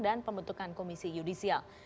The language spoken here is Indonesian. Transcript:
dan pembentukan komisi yudisial